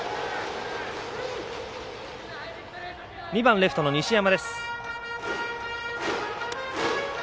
２番レフトの西山。